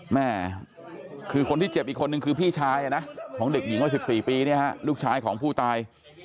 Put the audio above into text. แม่คือคนที่เจ็บอีกคนนึงคือพี่ชายนะของเด็กหญิงวัย๑๔ปีเนี่ยฮะลูกชายของผู้ตาย